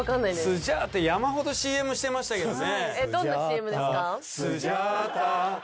スジャータ山ほどＣＭしてましたけどね。